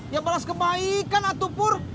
ya balas kebaikan atuh pur